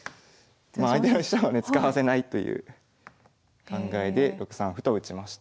まあ相手の飛車をね使わせないという考えで６三歩と打ちました。